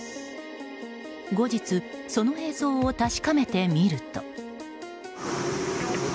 後日、その映像を確かめてみると。